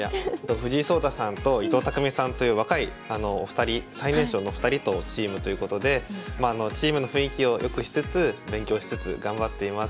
藤井聡太さんと伊藤匠さんという若い２人最年少の２人とチームということでチームの雰囲気を良くしつつ勉強しつつ頑張っています。